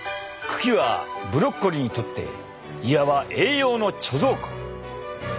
茎はブロッコリーにとっていわば栄養の貯蔵庫。